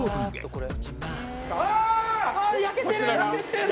これ。